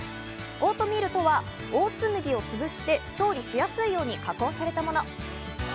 オートミールとはオーツ麦を潰して調理しやすいように加工されたもの。